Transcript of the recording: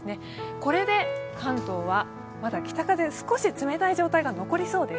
これで関東はまだ少し冷たい北風が残りそうです。